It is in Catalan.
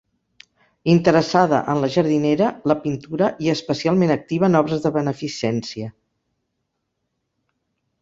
Interessada en la jardinera, la pintura i especialment activa en obres de beneficència.